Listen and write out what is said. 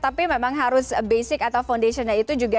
tapi memang harus basic atau foundationnya itu juga